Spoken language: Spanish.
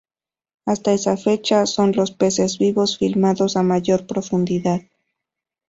Hasta esa fecha, son los peces vivos filmados a mayor profundidad.